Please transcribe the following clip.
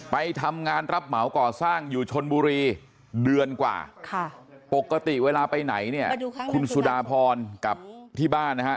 ไปทำงานรับเหมาก่อสร้างอยู่ชนบุรีเดือนกว่าปกติเวลาไปไหนเนี่ยคุณสุดาพรกับที่บ้านนะฮะ